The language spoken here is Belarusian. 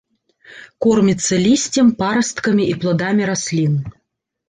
Корміцца лісцем, парасткамі і пладамі раслін.